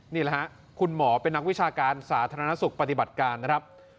นี่แหละฮะคุณหมอเป็นนักวิชาการสาธารณสุขปฏิบัติการนะครับ